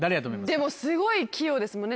でもすごい器用ですもんね